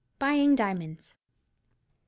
BUYING DIAMONDS. Mr.